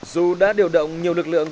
dù đã điều động nhiều lực lượng